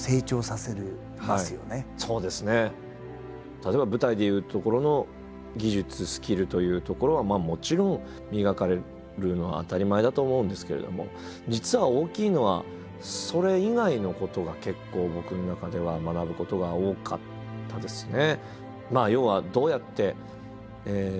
例えば舞台でいうところの技術スキルというところはもちろん磨かれるのは当たり前だと思うんですけれども実は大きいのはそれ以外のことが結構僕の中では学ぶことが多かったですね。